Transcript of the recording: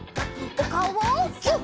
おかおをギュッ！